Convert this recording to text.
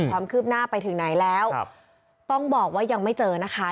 ความคืบหน้าไปถึงไหนแล้วต้องบอกว่ายังไม่เจอนะคะ